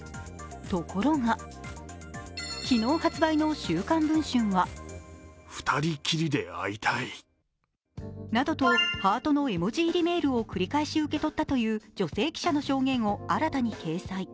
ところが、昨日発売の「週刊文春」はなどとハートの絵文字入りメールを繰り返し受け取ったという女性記者の証言を新たに掲載。